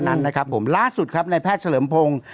นั่นนะครับผมล่าสุดครับในแพทย์เฉลิมพงศ์